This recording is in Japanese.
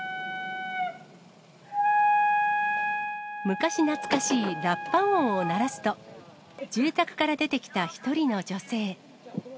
昔懐かしいラッパ音を鳴らすと、住宅から出てきた一人の女性。